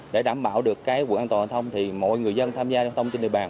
để đảm bảo được quận an toàn giao thông mọi người dân tham gia an toàn giao thông trên địa bàn